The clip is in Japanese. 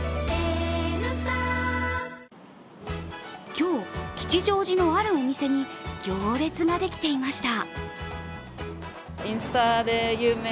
今日、吉祥寺のあるお店に行列ができていました。